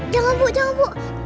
jangan bu jangan bu